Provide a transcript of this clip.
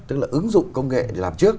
tức là ứng dụng công nghệ để làm trước